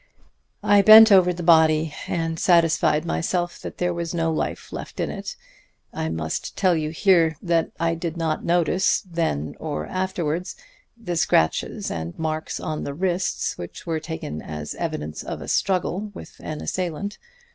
"I bent over the body and satisfied myself that there was no life left in it. I must tell you here that I did not notice, then or afterwards, the scratches and marks on the wrists which were taken as evidence of a struggle with an assailant.